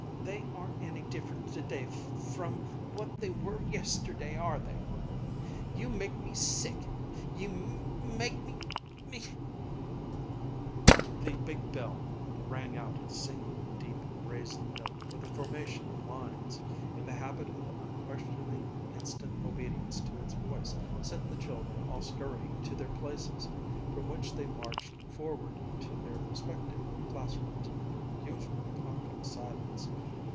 They aren't any different today f f from what they were yesterday are they? You make me sick you m m make m m me " The big bell rang out its single deep brazen note for the formation of lines, and the habit of unquestioning, instant obedience to its voice sent the children all scurrying to their places, from which they marched forward to their respective classrooms in their usual convict silence.